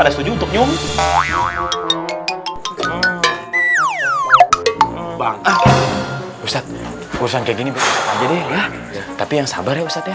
setuju untuk nyum bangka usah usah kayak gini berhenti deh ya tapi yang sabar ya ustadz ya